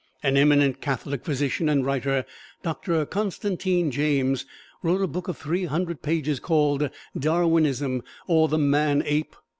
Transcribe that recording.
An eminent Catholic physician and writer, Doctor Constantine James, wrote a book of three hundred pages called "Darwinism, or the Man Ape."